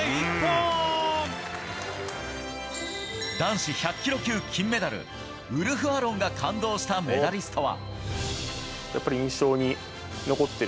男子１００ｋｇ級金メダルウルフ・アロンが感動したメダリストは。